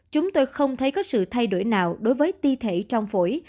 chúng tôi không thấy có sự thay đổi nào đối với ti thể trong phổi